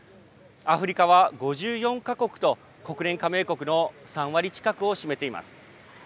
アフリカは５４か国と、国連加盟国の３割近くを占めています。